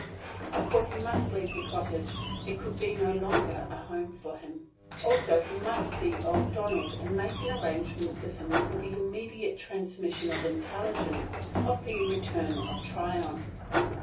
Of course he must leave the cottage. It could be no longer a home for him. Also, he must see old Donald, and make an arrangement with him for the immediate transmission of intelligence of the return of Tryon.